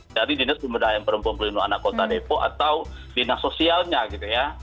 dari dinas pemberdayaan perempuan perlindungan anak kota depok atau dinas sosialnya gitu ya